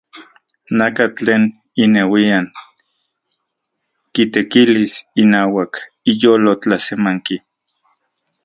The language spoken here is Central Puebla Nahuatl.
Nakatl tlen ineuian kitekilis inauak iyolo tlasemanki.